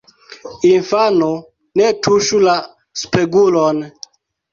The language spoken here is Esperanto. Infano, ne tuŝu la spegulon!